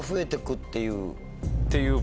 っていう。